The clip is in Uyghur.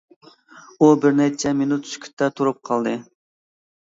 ئۇ بىرنەچچە مىنۇت سۈكۈتتە تۇرۇپ قالدى.